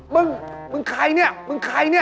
มึงมึงใครนี่